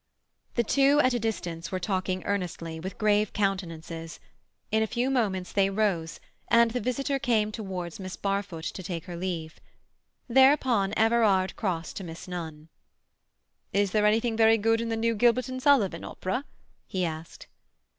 The two at a distance were talking earnestly, with grave countenances. In a few moments they rose, and the visitor came towards Miss Barfoot to take her leave. Thereupon Everard crossed to Miss Nunn. "Is there anything very good in the new Gilbert and Sullivan opera?" he asked.